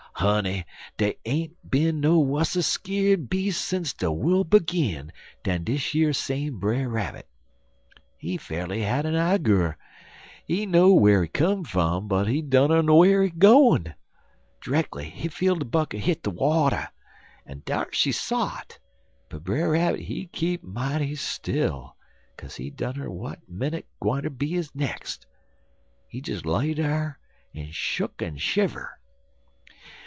"Honey, dey ain't been no wusser skeer'd beas' sence de worl' begin dan dish yer same Brer Rabbit. He fa'rly had a agur. He know whar he cum fum, but he dunner whar he gwine. Dreckly he feel de bucket hit de water, en dar she sot, but Brer Rabbit he keep mighty still, kaze he dunner w'at minnit gwineter be de nex'. He des lay dar en shuck en shiver.